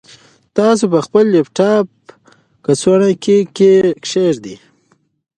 تاسو خپل لپټاپ په کڅوړه کې کېږدئ.